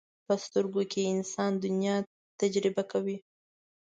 په سترګو انسان دنیا تجربه کوي